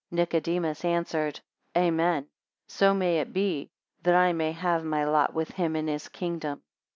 4 Nicodemus answered, Amen; so may it be, that I may have my lot with him in his kingdom.